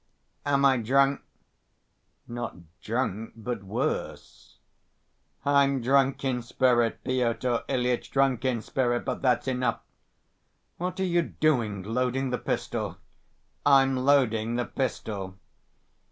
"Am I drunk?" "Not drunk, but worse." "I'm drunk in spirit, Pyotr Ilyitch, drunk in spirit! But that's enough!" "What are you doing, loading the pistol?" "I'm loading the pistol."